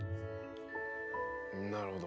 なるほど。